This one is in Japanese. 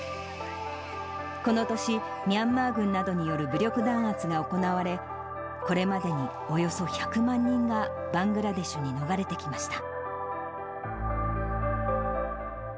この年、ミャンマー軍などによる武力弾圧が行われ、これまでにおよそ１００万人が、バングラデシュに逃れてきました。